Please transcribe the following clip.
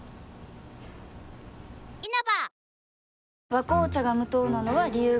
「和紅茶」が無糖なのは、理由があるんよ。